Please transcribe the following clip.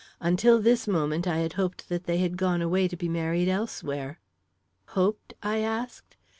Until this moment, I had hoped that they had gone away to be married elsewhere." "Hoped?" I asked.